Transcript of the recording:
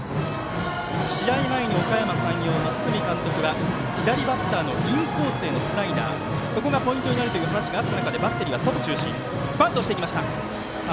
試合前におかやま山陽の堤監督は左バッターのインコースへのスライダーそこがポイントになるという話があった中でバッテリーは、外中心。